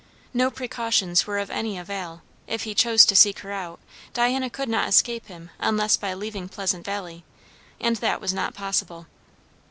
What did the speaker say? No precautions were of any avail; if he chose to seek her out, Diana could not escape him unless by leaving Pleasant Valley; and that was not possible.